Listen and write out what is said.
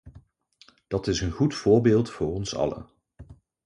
Dat is een goed voorbeeld voor ons allen.